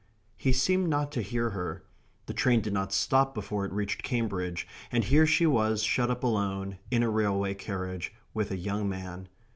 He seemed not to hear her. The train did not stop before it reached Cambridge, and here she was shut up alone, in a railway carriage, with a young man.